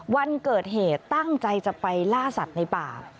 วันเกิดเหตุตั้งใจจะไปล่าสัตว์ในป่า